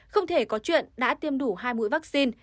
không thể có chuyện đã tiêm đủ hai mũi vaccine